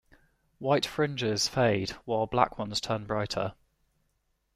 White fringes fade while black ones turn brighter.